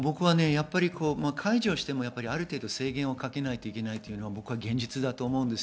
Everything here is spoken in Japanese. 解除してもある程度、制限をかけないといけないのは現実だと思います。